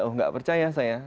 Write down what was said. oh tidak percaya saya